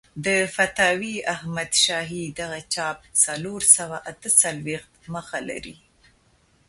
د فتاوی احمدشاهي دغه چاپ څلور سوه اته څلوېښت مخه لري.